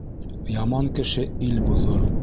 Яман кеше ил боҙор.